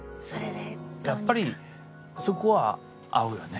やっぱりそこは合うよね。